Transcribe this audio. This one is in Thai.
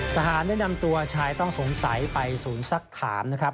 ทหารได้นำตัวชายต้องสงสัยไปศูนย์สักถามนะครับ